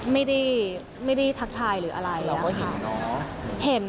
ไม่ได้ทักทายหรืออะไรนะคะค่ะนะครับเราพอเห็นน้อ